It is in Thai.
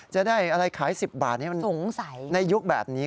จะได้อะไรขาย๑๐บาทนี่มันในยุคแบบนี้